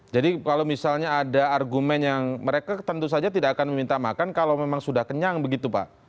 jadi kalau misalnya ada argumen yang mereka tentu saja tidak akan meminta makan kalau memang sudah kenyang begitu pak